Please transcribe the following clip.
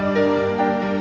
ate bisa menikah